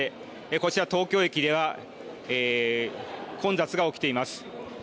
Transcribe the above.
こちら東京駅では混雑が起きています。